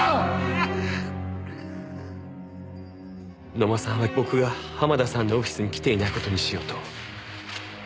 野間さんは僕が濱田さんのオフィスに来ていない事にしようと。